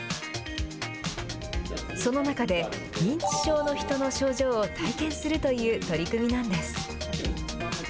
その中で認知症の人の症状を体験するという取り組みなんです。